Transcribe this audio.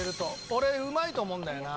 俺うまいと思うんだよな。